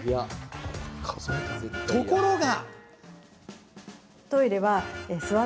ところが。